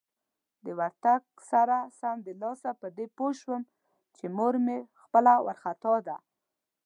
د ورتګ سره سمدلاسه په دې پوه شوم چې مور مې خپله وارخطا ده.